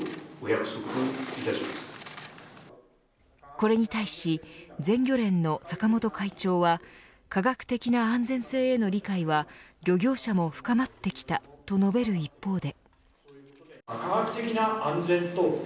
これに対し全漁連の坂本会長は科学的な安全性への理解は漁業者も深まってきたと述べる一方で。